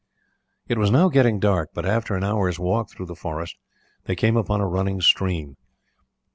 It was now getting dark, but after an hour's walk through the forest they came upon a running stream.